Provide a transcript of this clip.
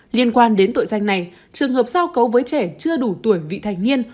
liên quan đến tội danh này trường hợp giao cấu với trẻ chưa đủ tuổi vị thành niên